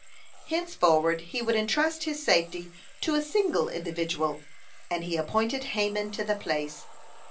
Henceforward he would entrust his safety to a single individual, and he appointed Haman to the place.